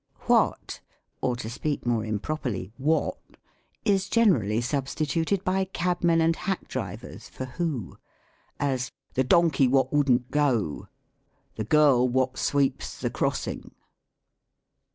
Wliat, or, to speak more improperly, wot, is generally substituted by cabmen and hack drivers for who ; as, " The donkey wo^ wouldn't go." " The girl wot sweeps the crossing."